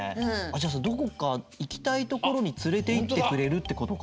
じゃあさ「どこかいきたいところにつれていってくれる」ってことか？